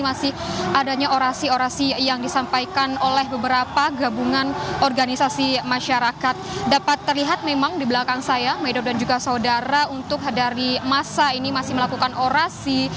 masni ramawati demokrasi kondisi